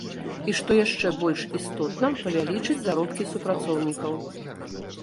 І што яшчэ больш істотна, павялічыць заробкі супрацоўнікаў.